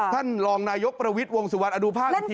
ท่านรองนายกประวิทย์วงสุวรรณดูภาพอีกที